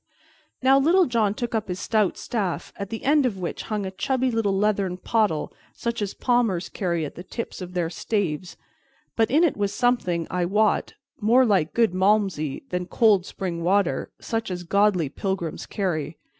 And now Little John took up his stout staff, at the end of which hung a chubby little leathern pottle, such as palmers carry at the tips of their staves; but in it was something, I wot, more like good Malmsey than cold spring water, such as godly pilgrims carry.